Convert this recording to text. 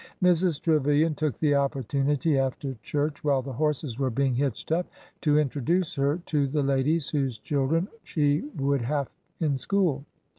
Mrs. Trevilian took the opportunity after church, while the horses were being hitched up, to introduce her to the 44 ORDER NO. 11 ladies whose children she would have in school.